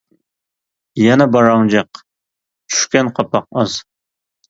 يەنە باراڭ جىق، چۈشكەن قاپاق ئاز.